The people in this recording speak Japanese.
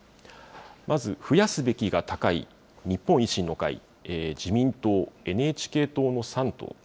まず増やすべきが高い日本維新の会、自民党、ＮＨＫ党の３党。